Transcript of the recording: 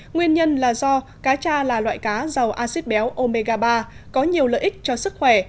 nguyên nhân là do cá cha là loại cá giàu acid béo omega ba có nhiều lợi ích cho sức khỏe